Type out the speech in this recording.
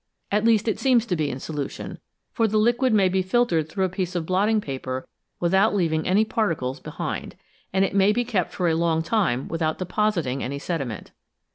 At least it seems to be in solution, for the liquid may be filtered through a piece of blotting paper without leaving any particles behind, and it may be kept for a long time without depositing any sediment.